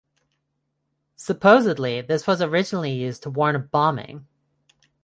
Supposedly, this was originally used to warn of bombing.